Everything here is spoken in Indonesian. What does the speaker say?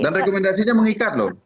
dan rekomendasinya mengikat loh